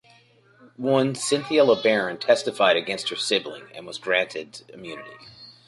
One, Cynthia LeBaron, testified against her siblings and was granted immunity.